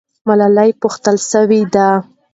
ملالۍ پوښتل سوې ده.